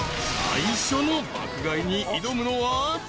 ［最初の爆買いに挑むのは］